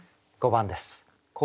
５番です。